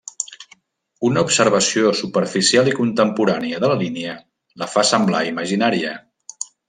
Una observació superficial i contemporània de la línia, la fa semblar imaginària.